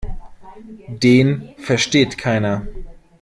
Den versteht keiner.